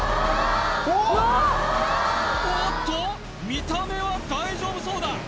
うわっおおっと見た目は大丈夫そうだ